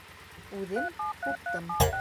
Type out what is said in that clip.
Үҙем һуҡтым.